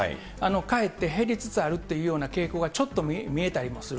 かえって減りつつあるっていうような傾向がちょっと見えたりもする。